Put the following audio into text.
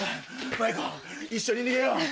マイコ一緒に逃げよう。